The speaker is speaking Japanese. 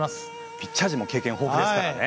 ピッチャー陣経験豊富ですからね。